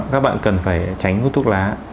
các bạn cần phải tránh hút thuốc lá